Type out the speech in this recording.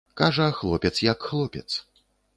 Кажа, хлопец як хлопец.